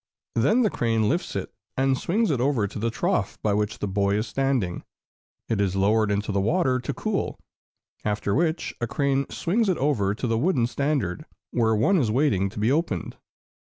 Then the crane lifts it and swings it over to the trough by which the boy is standing. It is lowered into the water to cool, after which a crane swings it over to the wooden standard, where one is waiting to be opened.